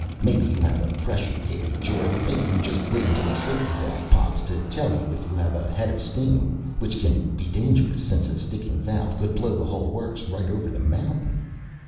Maybe you have a pressure gauge, or maybe you just wait until the safety valve pops to tell you if you have a head of steam. Which can be dangerous since a sticking valve could blow the whole works right over the mountain.